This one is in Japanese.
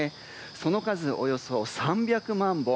その数およそ３００万本。